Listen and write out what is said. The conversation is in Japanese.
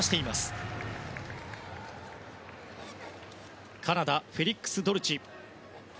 続いてカナダのフェリックス・ドルチ。